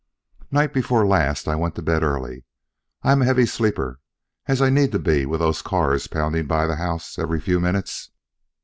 Night before last I went to bed early. I am a heavy sleeper, as I need to be with those cars pounding by the house every few minutes.